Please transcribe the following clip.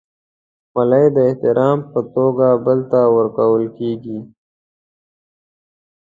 خولۍ د احترام په توګه بل ته ورکول کېږي.